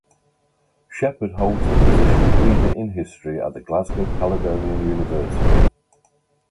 Shepherd holds the position of reader in history at the Glasgow Caledonian University.